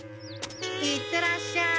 行ってらっしゃい！